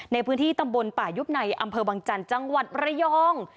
ในพื้นที่ตำบลป่ายุบในอำเภอวังจันทร์จังหวัดระยอง